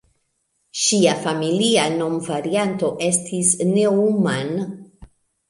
Ŝia familia nomvarianto estis "Neumann".